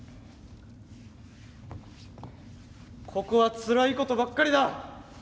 ここはつらいことばっかりだ！